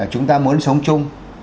chúng ta muốn sống chung